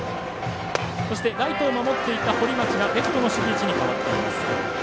ライトを守っていた堀町がレフトの守備位置に代わっています。